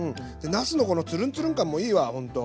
なすのこのツルンツルン感もいいわほんと。